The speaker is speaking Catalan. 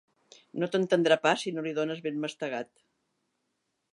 No t'entendrà pas si no li ho dones ben mastegat.